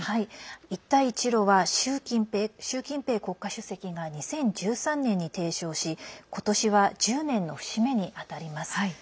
一帯一路は習近平国家主席が２０１３年に提唱し今年は１０年の節目に当たります。